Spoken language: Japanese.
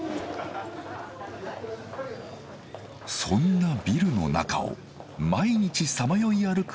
そんなビルの中を毎日さまよい歩く